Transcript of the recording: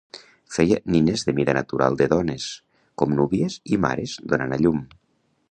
Feia nines de mida natural de dones, com núvies i mares donant a llum.